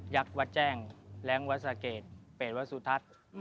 ักษ์วัดแจ้งแรงวัดสะเกดเปรตวัสสุทัศน์